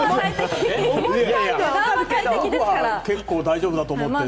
僕は結構大丈夫だと思ってる。